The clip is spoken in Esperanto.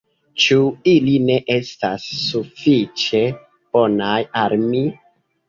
Ĉu ili ne estas sufiĉe bonaj al mi?